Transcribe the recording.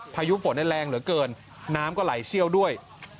พายุฝนแรงเหลือเกินน้ำก็ไหลเชี่ยวด้วย